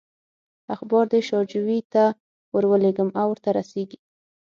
اخبار دې شاجوي ته ورولېږم او ورته رسېږي.